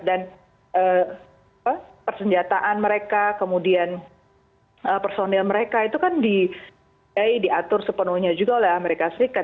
dan persenjataan mereka kemudian personil mereka itu kan diatur sepenuhnya juga oleh amerika serikat